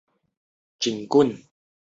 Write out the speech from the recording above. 可可树林里也可见到这种鸟。